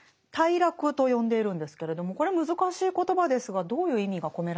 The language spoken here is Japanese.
「頽落」と呼んでいるんですけれどもこれ難しい言葉ですがどういう意味が込められているんでしょうか？